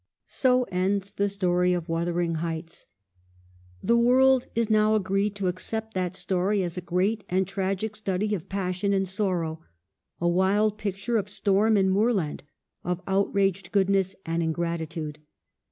So ends the story of Wuthering Heights. The world is now agreed to accept that story as a great and tragic study of passion and sorrow, a wild picture of storm and moorland, of outraged goodness and ingratitude.